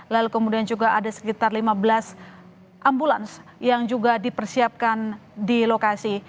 lalu kemudian juga ada sekitar lima belas ambulans yang juga dipersiapkan di lokasi